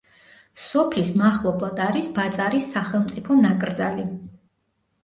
სოფლის მახლობლად არის ბაწარის სახელმწიფო ნაკრძალი.